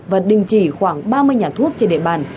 và đình chỉ khoảng ba mươi nhà thuốc trên địa bàn